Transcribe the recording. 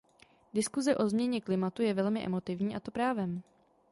Diskuse o změně klimatu je velmi emotivní, a to právem.